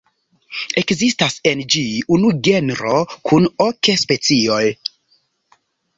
Ekzistas en ĝi unu genro kun ok specioj.